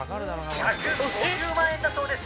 １５０万円だそうです！